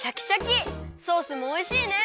ソースもおいしいね！